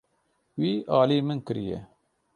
Wî alî min kiriye.